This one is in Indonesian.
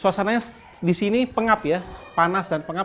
suasananya di sini pengap ya panas dan pengap